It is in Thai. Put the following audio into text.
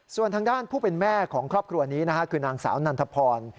ส่วนทางด้านผู้เป็นแม่ของครอบครัวนี้นะฮะคือนางสาวนันทพร